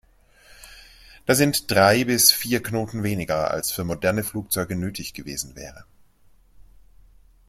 Das sind drei bis vier Knoten weniger, als für modernere Flugzeuge nötig gewesen wäre.